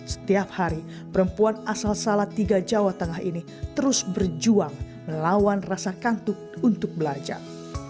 setiap hari perempuan asal salatiga jawa tengah ini terus berjuang melawan rasa kantuk untuk belajar